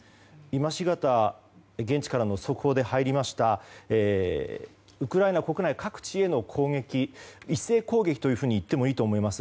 今しがた現地からの速報で入りましたウクライナ国内各地への攻撃一斉攻撃というふうに言ってもいいと思います。